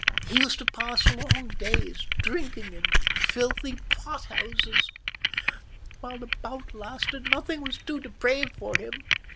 He used to pass long days, drinking in filthy pot houses. While the bout lasted, nothing was too depraved for him.